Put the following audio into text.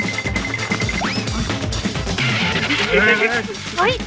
เฮ้ยเฮ้ยเฮ้ย